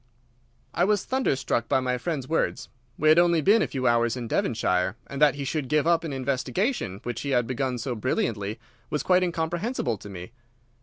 I was thunderstruck by my friend's words. We had only been a few hours in Devonshire, and that he should give up an investigation which he had begun so brilliantly was quite incomprehensible to me.